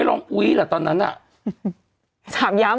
แต่หนูจะเอากับน้องเขามาแต่ว่า